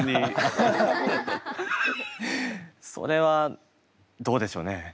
それはどうでしょうね。